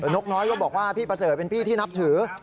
นกน้อยก็บอกว่าพี่ประเสริฐเป็นพี่ที่นับถือ